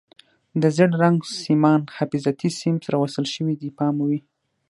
د زیړ رنګ سیمان حفاظتي سیم سره وصل شوي دي پام مو وي.